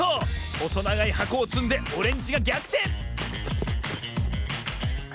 ほそながいはこをつんでオレンジがぎゃくてん！